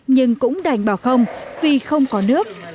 nhưng cũng đành bảo không vì không có nước